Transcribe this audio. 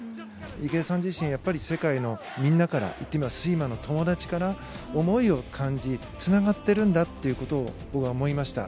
池江さん自身世界のみんなからスイマーの友達から思いを感じつながっているんだということを僕は思いました。